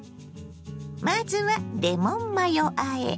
まずはレモンマヨあえ。